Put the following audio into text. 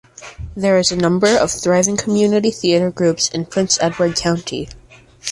There is a number of thriving community theatre groups in Prince Edward County.